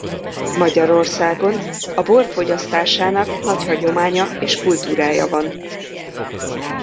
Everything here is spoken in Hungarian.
Magyarországon a bor fogyasztásának nagy hagyománya és kultúrája van.